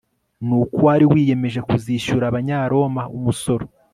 nuko uwari wiyemeje kuzishyura abanyaroma umusoro